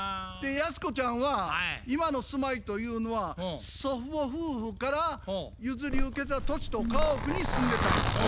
ヤスコちゃんは今の住まいというのは祖父母夫婦から譲り受けた土地と家屋に住んでたんや。